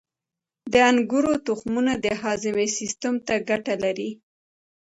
• د انګورو تخمونه د هاضمې سیستم ته ګټه لري.